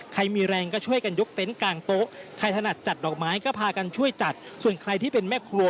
ก็พากันช่วยจัดส่วนใครที่เป็นแม่ครัว